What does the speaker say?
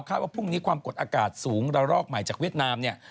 ว่าพรุ่งนี้ความกดอากาศสูงระลอกใหม่จากเวียดนามเนี่ย